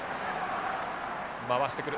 回してくる。